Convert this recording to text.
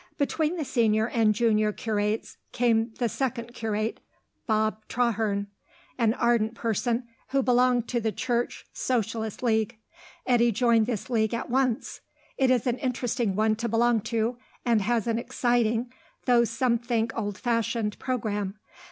Between the senior and junior curates came the second curate, Bob Traherne, an ardent person who belonged to the Church Socialist League. Eddy joined this League at once. It is an interesting one to belong to, and has an exciting, though some think old fashioned, programme.